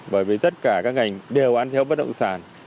bởi vì tất cả các ngành đều ăn theo bất động sản